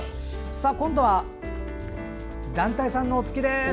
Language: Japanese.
今度は団体さんがお着きです。